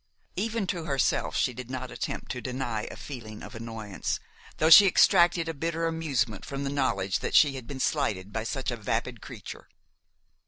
Even to herself she did not attempt to deny a feeling of annoyance, though she extracted a bitter amusement from the knowledge that she had been slighted by such a vapid creature.